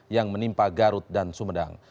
yang menimpa garut dan sumedang